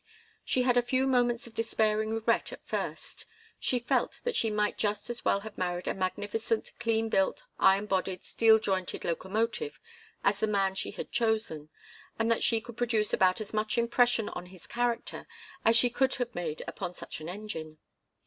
She had a few moments of despairing regret at first. She felt that she might just as well have married a magnificent, clean built, iron bodied, steel jointed locomotive, as the man she had chosen, and that she could produce about as much impression on his character as she could have made upon such an engine.